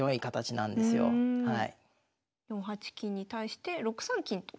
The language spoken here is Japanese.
４八金に対して６三金と。